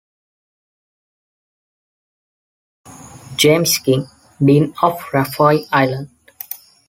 James King, Dean of Raphoe, Ireland.